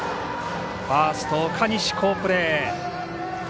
ファーストの岡西好プレー。